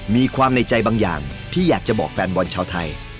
มีความในใจบางอย่างที่อยากจะบอกแฟนบอลชาวไทย